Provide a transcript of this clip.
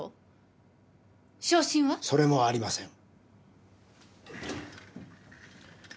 それもありません。